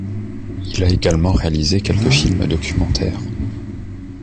Il a également réalisé quelques films documentaires.